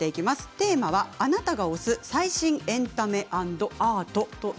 テーマはあなたが推す最新エンタメアンドアート。